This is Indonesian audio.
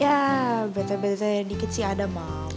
ya bete bete dikit sih ada mau